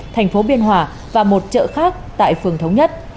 thành phố biên hòa và một chợ khác tại phường thống nhất